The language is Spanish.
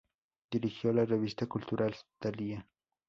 Dirigió la revista cultural" Talía".